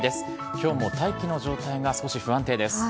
きょうも大気の状態が少し不安定です。